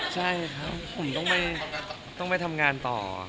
ใช่ครับผมต้องไปทำงานต่อ